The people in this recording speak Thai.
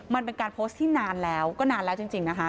มันเป็นการโพสต์ที่นานแล้วก็นานแล้วจริงนะคะ